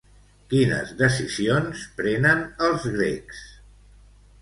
Quines decisions prenen els grecs?